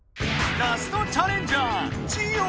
ラストチャレンジャー